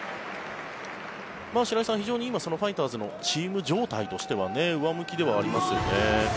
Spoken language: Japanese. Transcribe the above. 白井さん、非常に今ファイターズのチーム状態としては上向きではありますよね。